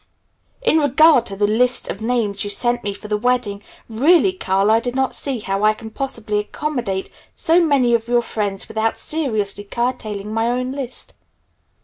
In regard to the list of names you sent me for the wedding, really, Carl, I do not see how I can possibly accommodate so many of your friends without seriously curtailing my own list.